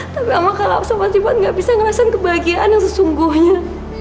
tapi mama kalau sama ivan nggak bisa ngerasain kebahagiaan yang sesungguhnya